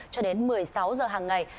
cho đến một mươi sáu giờ hàng ngày